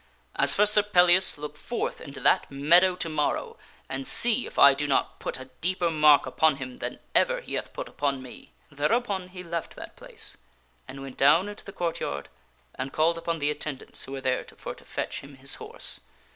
As for Sir Pellias, look forth into that meadow to morrow and see if I do not put a deeper mark upon him than ever he hath put upon me." Thereupon he left that place and went down into the court yard and called upon the attendants who were there for to fetch him his horse.